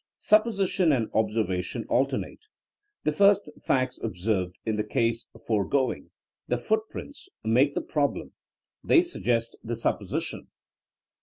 Supposition and obser vation alternate. The first facts observed — ^in the case foregoing, the footprints — ^make the problem, they suggest the supposition.